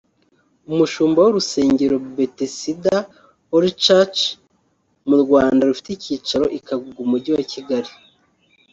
umushumba w’urusengero Bethesda Holy Church mu Rwanda rufite icyicaro i Kagugu mu mujyi wa Kigali